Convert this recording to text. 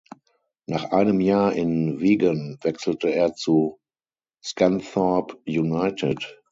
Nach einem Jahr in Wigan wechselte er zu Scunthorpe United.